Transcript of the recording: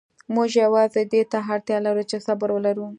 موږ یوازې دې ته اړتیا لرو چې صبر ولرو.